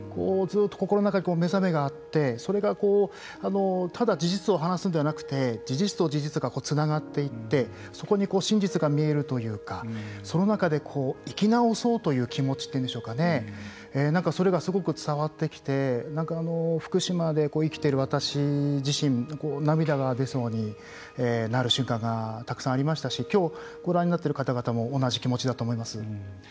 ずっと心の中に目覚めがあってそれがこうただ事実を話すんではなくて事実と事実がつながっていってそこに真実が見えるというかその中で、生き直そうという気持ちというんでしょうかねなんかそれがすごく伝わってきてなんか福島で生きている私自身涙が出そうになる瞬間がたくさんありましたしきょう、ご覧になっている方々も同じ気持ちだと思います。